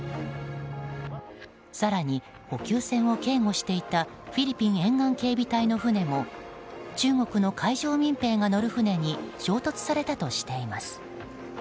更に、補給船を警護していたフィリピン沿岸警備隊の船も中国の海上民兵が乗る船に衝突されたとしています。